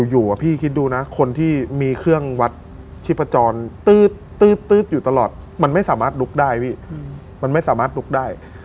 พี่คิดดูนะคนที่มีเครื่องวัดชีพจรตื๊ดอยู่ตลอดมันไม่สามารถลุกได้พี่มันไม่สามารถลุกได้